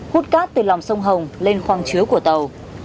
hút cát từ lòng sông hồng lên khoang chứa của tàu